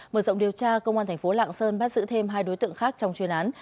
mở rộng điều tra công an thành phố lạng sơn bắt giữ thêm hai đối tượng khác trong chuyên án